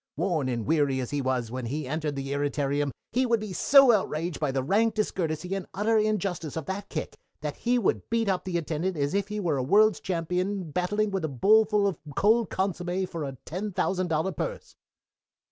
Worn and weary as he was when he entered the irritarium, he would be so outraged by the rank discourtesy and utter injustice of that kick that he would beat up that attendant as if he were a world's champion battling with a bowlful of cold consommé for a ten thousand dollar purse."